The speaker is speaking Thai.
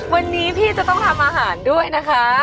วันนี้พี่จะต้องทำอาหารด้วยนะคะ